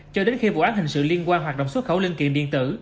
cho đến khi vụ án hình sự liên quan hoạt động xuất khẩu linh kiện điện tử